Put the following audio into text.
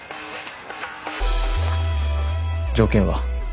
条件は？